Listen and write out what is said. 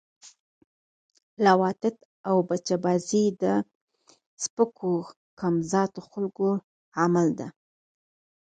لواطت او بچه بازی د سپکو کم ذات خلکو عمل ده